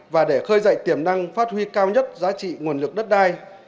và để khơi dậy tiềm năng phát huy cao nhất giá trị nguồn lực đất đai